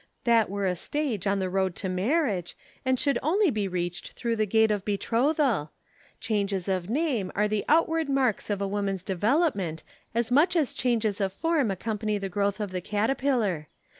That were a stage on the road to marriage, and should only be reached through the gate of betrothal. Changes of name are the outward marks of a woman's development as much as changes of form accompany the growth of the caterpillar.